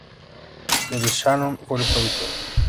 Del Shannon fue el productor.